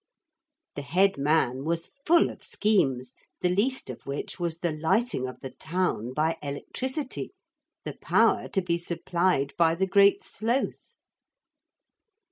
The head man was full of schemes, the least of which was the lighting of the town by electricity, the power to be supplied by the Great Sloth.